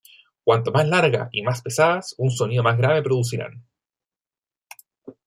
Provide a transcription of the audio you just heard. Cuanto más largas y más pesadas, un sonido más grave producirán.